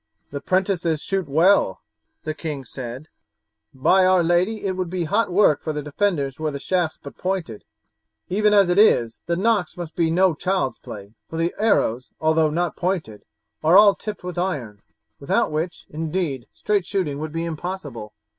"The 'prentices shoot well," the king said; "by our lady, it would be hot work for the defenders were the shafts but pointed! Even as it is the knocks must be no child's play, for the arrows, although not pointed, are all tipped with iron, without which, indeed, straight shooting would be impossible."